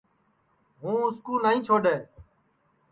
ہُوں اُس کُو نائی چھوڈؔے